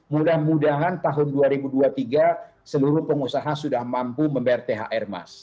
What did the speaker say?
mudah mudahan tahun dua ribu dua puluh tiga seluruh pengusaha sudah mampu membayar thr mas